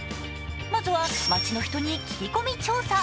まずは街の人に聞き込み調査。